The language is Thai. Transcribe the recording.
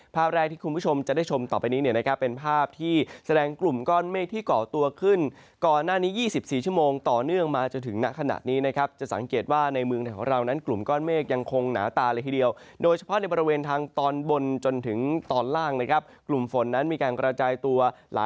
ภาพแรกที่คุณผู้ชมจะได้ชมต่อไปนี้เนี่ยนะครับเป็นภาพที่แสดงกลุ่มก้อนเมฆที่เกาะตัวขึ้นก่อนหน้านี้๒๔ชั่วโมงต่อเนื่องมาจนถึงณขณะนี้นะครับจะสังเกตว่าในเมืองไทยของเรานั้นกลุ่มก้อนเมฆยังคงหนาตาเลยทีเดียวโดยเฉพาะในบริเวณทางตอนบนจนถึงตอนล่างนะครับกลุ่มฝนนั้นมีการกระจายตัวห